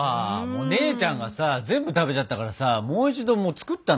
姉ちゃんがさ全部食べちゃったからさもう一度作ったのよ。